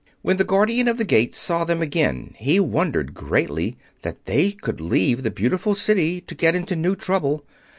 When the Guardian of the Gate saw them again he wondered greatly that they could leave the beautiful City to get into new trouble.